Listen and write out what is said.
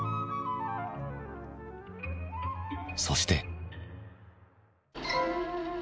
そして。